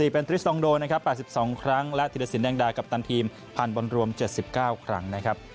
เป็นทริสตองโดนะครับ๘๒ครั้งและธิรสินแดงดากัปตันทีมผ่านบอลรวม๗๙ครั้งนะครับ